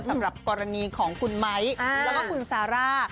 สำหรับกรณีของคุณไม้แล้วก็คุณซาร่า